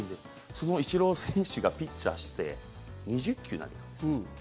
そのイチロー選手がピッチャーして２０球投げたんです。